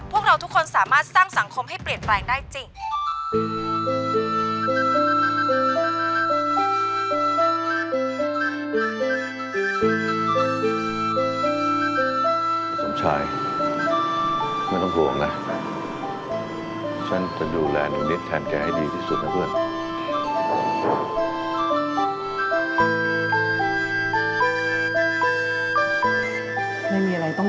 ป่าวจ๋าแม่ให้ลูนิจเป็นนักข่าวจริงนะ